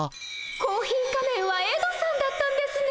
コーヒー仮面はエドさんだったんですね。